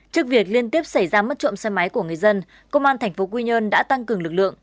trước việc liên tiếp xảy ra mất trộm xe máy của người dân công an tp quy nhơn đã tăng cường lực lượng